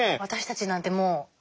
私たちなんてもう。